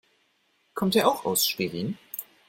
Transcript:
Kommt er auch aus Schwerin?